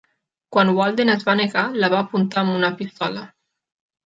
Quan Walden es va negar, la va apuntar amb una pistola.